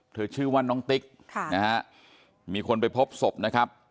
เธอชื่อว่าน้องติ๊กมีคนไปพบศพนะครับ